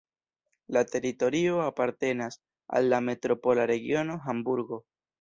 La teritorio apartenas al la metropola regiono Hamburgo.